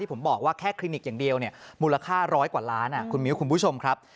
ผมบอกว่าแค่คลินิกอย่างเดียวเนี่ยมูลค่าร้อยกว่าล้านคุณมิ้วคุณผู้ชมครับ